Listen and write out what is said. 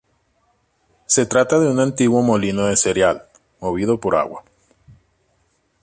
Se trata de un antiguo molino de cereal, movido por agua.